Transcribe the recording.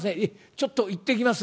ちょっと行ってきます」。